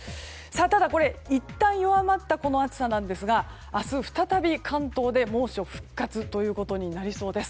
ただ、いったん弱まったこの暑さなんですが明日再び関東で猛暑復活ということになりそうです。